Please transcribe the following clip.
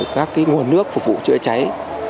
các nguồn nước phục vụ chữa cháy